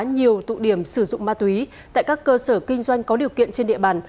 nhiều tụ điểm sử dụng ma túy tại các cơ sở kinh doanh có điều kiện trên địa bàn